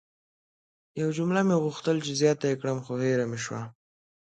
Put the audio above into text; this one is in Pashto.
یوه جمله مې غوښتل چې زیاته ېې کړم خو هیره مې سوه!